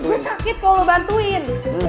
gue sakit kalau bantuin